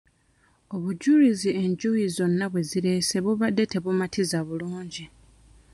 Obujulizi enjuyi zonna bwe zireese bubadde tebumatiza bulungi.